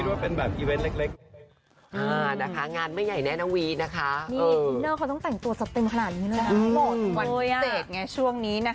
ตัวเต็มขนาดนี้เลยค่ะโหวันเศษไงช่วงนี้นะคะ